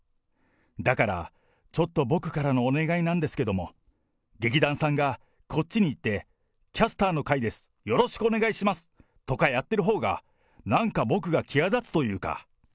だから、ちょっと僕からのお願いなんですけども、劇団さんがこっちにいって、キャスターな会です、よろしくお願いします、とかやってるほうが、なんか僕が際立つというか。